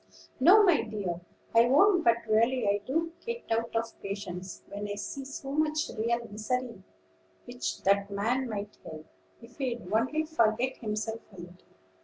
"No, my dear, I won't; but really I do get out of patience when I see so much real misery which that man might help, if he'd only forget himself a little.